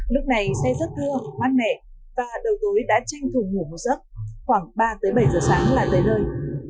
lúc này xe rất thưa mát mẻ và đầu tối đã tranh thủ ngủ một giấc khoảng ba bảy h sáng là tới nơi